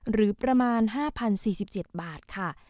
หรือประมาณ๕๐๔๗บาทค่ะ